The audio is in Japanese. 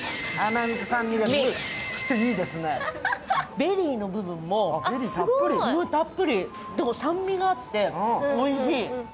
ベリーの部分もたっぷり酸味があっておいしい。